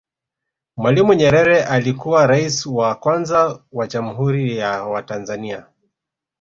Mwalimu Nyerere alikuwa Rais wa kwanza wa Jamhuri ya wa Tanzania